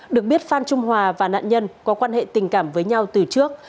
được biết phan trung hòa và nạn nhân có quan hệ tình cảm với nhau từ trước